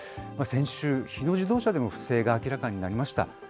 先週、日野自動車でも不正が明らかになりました。